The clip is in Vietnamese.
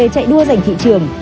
chạy đua dành thị trường